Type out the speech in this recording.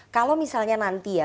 kalau misalnya nanti ya